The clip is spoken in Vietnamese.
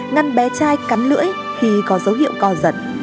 ngăn bé trai cắn lưỡi khi có dấu hiệu co giật